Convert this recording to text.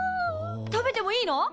食べてもいいの？